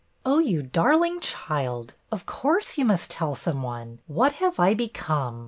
'' Oh, you darling child ! Of course you must tell some one. What have I become?